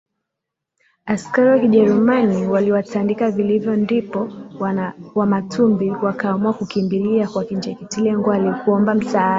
askari wa Kijerumani waliwatandika vilivyo ndipo Wamatumbi wakaamua kukimbilia kwa Kinjeketile Ngwale kuomba msaada